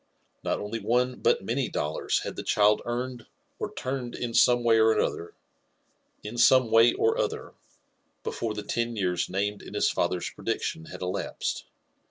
Not only t^ne, but many dollars bad the child earned at turned ift some way or ofher, before the ten years namied in his father's pre ^ Action had elapsed.